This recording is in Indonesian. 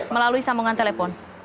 melalui sambungan telepon